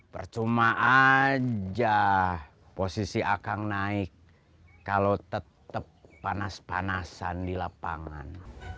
percuma aja posisi akang naik kalau tetap panas panasan di lapangan